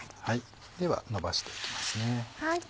ではのばしていきますね。